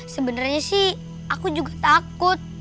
sebenarnya sih aku juga takut